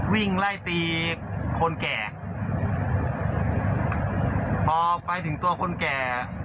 วิ่งไล่ตีคนแก่พอไปถึงตัวคนแก่